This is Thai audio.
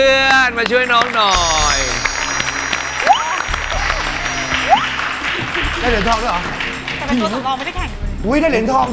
อุ้ยเท่าเหลนทองด้วยอะ